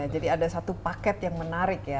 jadi ada satu paket yang menarik ya